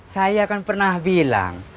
saya kan pernah bilang